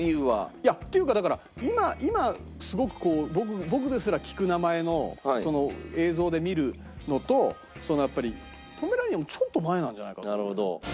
いやっていうかだから今すごく僕ですら聞く名前の映像で見るのとそのやっぱりポメラニアンもちょっと前なんじゃないかと。